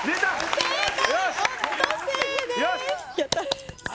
正解！